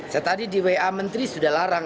saya tadi di wa menteri sudah larang